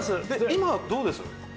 今どうです？